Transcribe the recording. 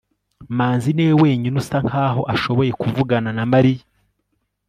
manzi niwe wenyine usa nkaho ashoboye kuvugana na mariya